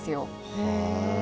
へえ。